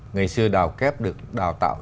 ngày xưa đào kép được đào tạo